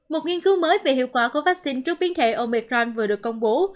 một nghiên cứu mới về hiệu quả của vaccine trước biến thể omecran vừa được công bố